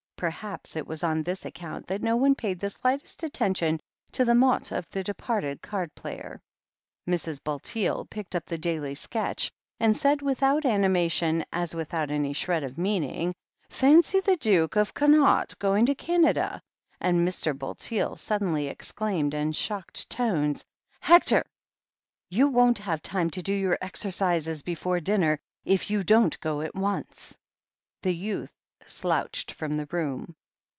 Perhaps it was on this account that no one paid the slightest attention to the mot of the departed card player. Mrs. Bulteel picked up the Daily Sketch, and said without animation, as without any shred of meaning : "Fancy the Duke of Connaught going to Canada !" and Mr. Bulteel suddenly exclaimed in shocked tones : r THE HEEL OF ACHILLES 151 ^'Hector I You won't have time to do your exercises before dinner if you don't go at once." The youth slouched from the room.